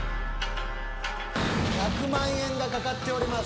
１００万円がかかっております